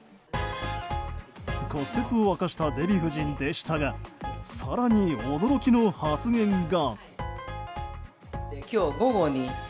骨折を明かしたデヴィ夫人でしたが更に驚きの発言が。